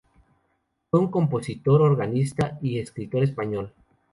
Fue un compositor, organista y escritor español.